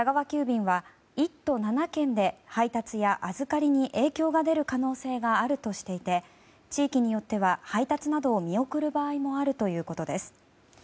急便は１都７県で配達や預かりに影響が出る可能性があるとしていて地域によっては配達などを見送る場合もあるということです。